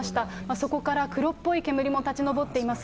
そこから黒っぽい煙も立ち上っています。